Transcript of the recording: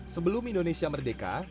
sebelum indonesia merdeka